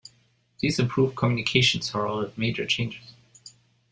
These improved communications heralded major changes.